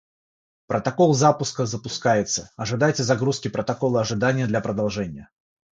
Протокол запуска запускается, ожидайте загрузки протокола ожидания для продолжения.